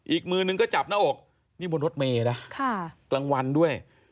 อีกมือนึงก็จับหน้าอกนี่บนรถเมย์นะกลางวันด้วย